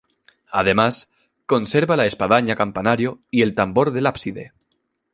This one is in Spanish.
Además conserva la espadaña-campanario y el tambor del ábside.